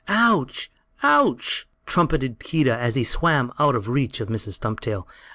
"Ouch! Ouch!" trumpeted Keedah as he swam out of reach of Mrs. Stumptail.